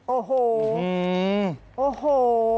โอ้โหโอ้โห